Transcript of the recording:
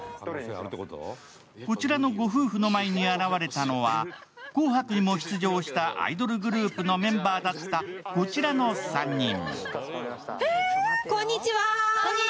こちらの御夫婦の前に現れたのは、「紅白」にも出場したアイドルグループのメンバーだったこちらの３人。